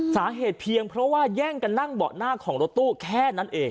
สาเหตุเพียงเพราะว่าแย่งกันนั่งเบาะหน้าของรถตู้แค่นั้นเอง